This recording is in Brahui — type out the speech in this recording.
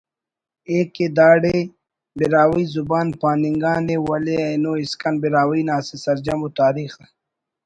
ءِ کہ داڑے براہوئی زبان پاننگانے ولے اینو اسکان براہوئی نا اسہ سرجم ءُ تاریخ